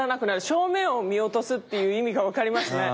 正面を見落とすっていう意味が分かりますね。